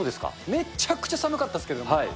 めちゃくちゃ寒かったですけども。